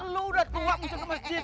lu udah tua masuk ke masjid